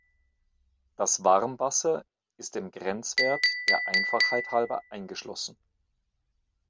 Das Warmwasser ist im Grenzwert der Einfachheit halber eingeschlossen.